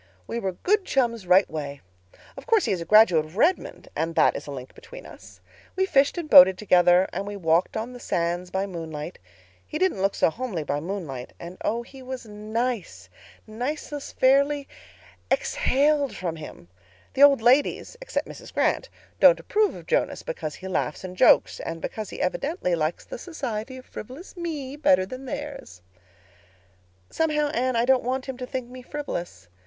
"We were good chums right way. Of course he is a graduate of Redmond, and that is a link between us. We fished and boated together; and we walked on the sands by moonlight. He didn't look so homely by moonlight and oh, he was nice. Niceness fairly exhaled from him. The old ladies—except Mrs. Grant—don't approve of Jonas, because he laughs and jokes—and because he evidently likes the society of frivolous me better than theirs. "Somehow, Anne, I don't want him to think me frivolous.